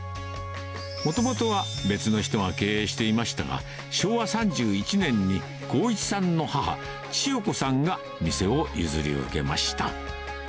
もともとは別の人が経営していましたが、昭和３１年に光一さんの母、千代子さんが店を譲り受けました。